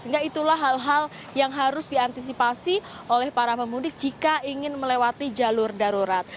sehingga itulah hal hal yang harus diantisipasi oleh para pemudik jika ingin melewati jalur darurat